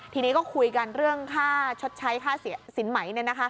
ทีนี้ก็คุยกันเรื่องค่าชดใช้ค่าสินไหม